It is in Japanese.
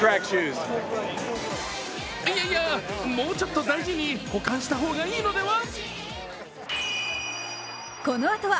いやいやもうちょっと大事に保管した方がいいのでは？